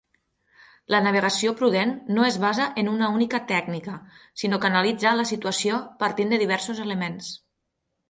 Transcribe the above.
La navegació prudent no es basa en una única tècnica, sinó que analitza la situació partint de diversos elements.